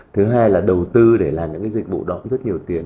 thứ hai là đầu tư để làm những cái dịch vụ đó cũng rất nhiều tiền